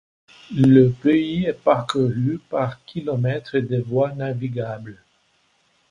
Le pays est parcouru par km de voies navigables.